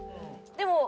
でも。